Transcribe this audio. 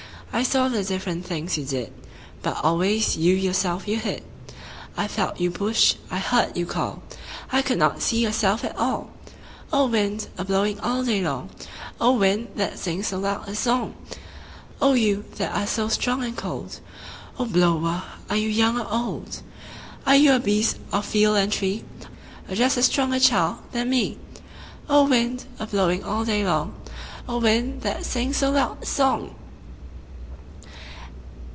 I saw the different things you did, But always you yourself you hid. I felt you push, I heard you call, I could not see yourself at all O wind, a blowing all day long, O wind, that sings so loud a song! O you that are so strong and cold, O blower, are you young or old? Are you a beast of field and tree, Or just a stronger child than me? O wind, a blowing all day long, O wind, that sings so loud a song!